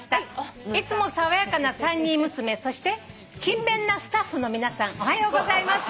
「いつも爽やかな３人娘そして勤勉なスタッフの皆さんおはようございます」